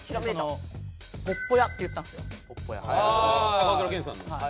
高倉健さんの。